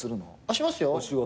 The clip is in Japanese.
しますよ。